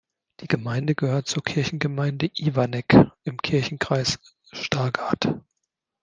Die Gemeinde gehört zur Kirchgemeinde Ivenack im Kirchenkreis Stargard.